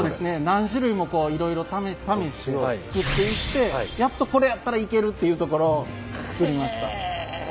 何種類もいろいろ試して作っていってやっとこれやったらいけるっていうところを作りました。